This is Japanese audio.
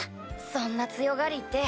そんな強がり言って。